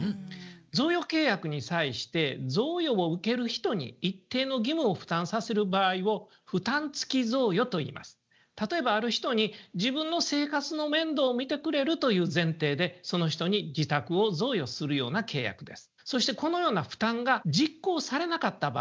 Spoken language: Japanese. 贈与契約に際して贈与を受ける人に一定の義務を負担させる場合を例えばある人に自分の生活の面倒を見てくれるという前提でその人に自宅を贈与するような契約です。